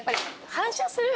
反射する？